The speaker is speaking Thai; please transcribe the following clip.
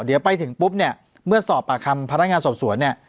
เดี๋ยวไปถึงปุ๊บเนี่ยเมื่อสอบปากคำพนักงานสอบสวนเนี่ย